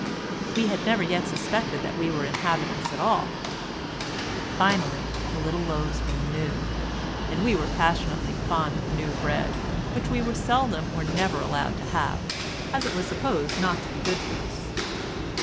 We had never yet suspected that we were inhabitants at all; finally, the little loaves were new, and we were passionately fond of new bread, which we were seldom or never allowed to have, as it was supposed not to be good for us.